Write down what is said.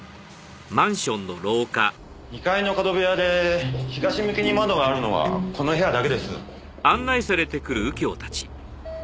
２階の角部屋で東向きに窓があるのはこの部屋だけです。